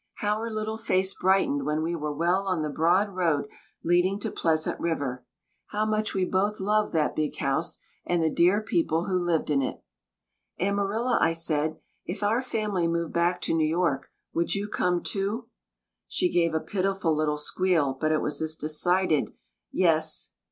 How her little face brightened when we were well on the broad road leading to Pleasant River. How much we both loved that big house, and the dear people who lived in it. "Amarilla," I said, "if our family moved back to New York, would you come too?" She gave a pitiful little squeal, but it was a decided "Yes."